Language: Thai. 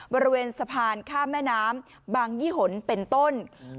บริเวณสะพานข้ามแม่น้ำบางยี่หนเป็นต้น